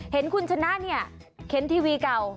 เห็นคุณชนะเนี่ยเข็นทีวีเก่า